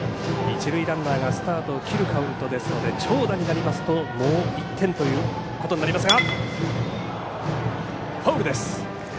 一塁ランナーがスタートを切るカウントですので長打になりますともう１点となりますが。